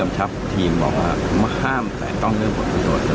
ถ้าใครบอกว่าเดี๋ยวเคลียร์แล้วเดี๋ยวต่อแน่นอน